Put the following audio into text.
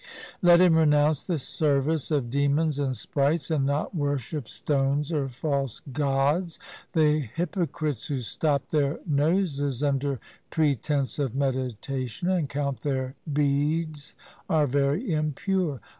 Let him renounce the service of demons and sprites, and not worship stones or false gods. The hypo crites who stop their noses under pretence of medita tion and count their beads are very impure.